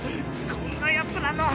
こんなヤツらの！